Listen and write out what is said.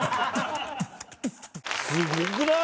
すごくない？